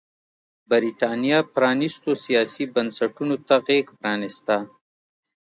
برېټانیا پرانيستو سیاسي بنسټونو ته غېږ پرانېسته.